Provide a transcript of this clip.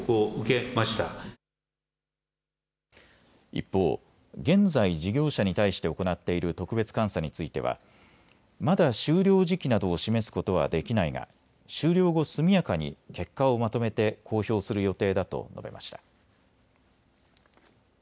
一方、現在、事業者に対して行っている特別監査についてはまだ終了時期などを示すことはできないが終了後、速やかに結果をまとめて公表する予定だと述べました。